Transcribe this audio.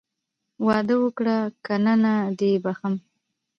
واده وکړه که نه نه دې بښم.